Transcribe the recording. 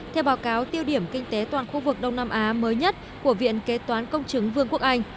theo báo cáo tiêu điểm kinh tế toàn khu vực đông nam á mới nhất của viện kế toán công chứng vương quốc anh